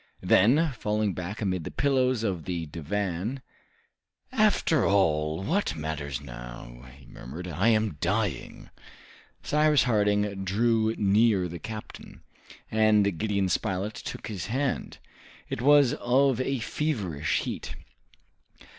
Then, falling back amid the pillows of the divan, "After all, what matters now?" he murmured; "I am dying!" Cyrus Harding drew near the captain, and Gideon Spilett took his hand it was of a feverish heat.